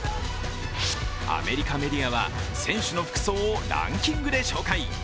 アメリカメディアは、選手の服装をランキングで紹介。